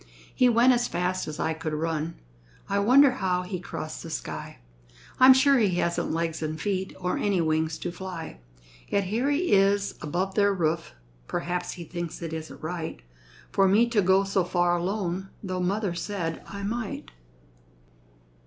He went as fast as I could run; I wonder how he crossed the sky? I'm sure he hasn't legs and feet Or any wings to fly. Yet here he is above their roof; Perhaps he thinks it isn't right For me to go so far alone, Tho' mother said I might.